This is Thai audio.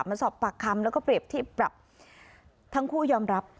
มาสอบปากคำแล้วก็เปรียบเทียบปรับทั้งคู่ยอมรับ